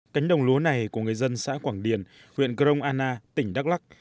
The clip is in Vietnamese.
cánh đồng lúa này của người dân xã quảng điền huyện grong anna tỉnh đắk lắc